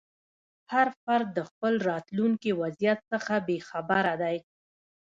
هر فرد د خپل راتلونکي وضعیت څخه بې خبره دی.